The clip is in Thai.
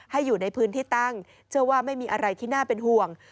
อยู่ในพื้นที่ตั้งเชื่อว่าไม่มีอะไรที่น่าเป็นห่วง